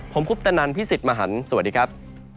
ผมคุปตะนันพี่สิทธิ์มหันฯสวัสดีครับ